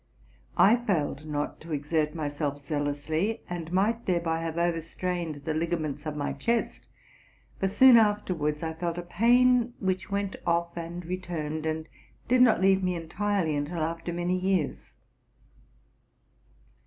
I failed not to exert myself zealously, and might thereby have overstrained the ligaments of my chest; for soon afterwards I felt a pain, which went off and returned, and did not leave me entirely until after many years.